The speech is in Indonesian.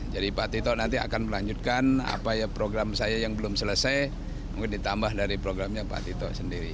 jadi pak tito nanti akan melanjutkan apa ya program saya yang belum selesai mungkin ditambah dari programnya pak tito sendiri